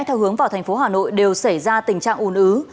theo hướng vào thành phố hà nội đều xảy ra tình trạng ủn ứ